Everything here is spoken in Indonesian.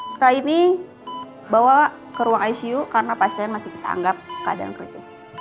setelah ini bawa ke ruang icu karena pasien masih kita anggap keadaan kritis